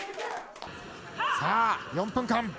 さあ、４分間。